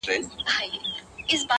چي د وجود له آخرې رگه وتلي شراب-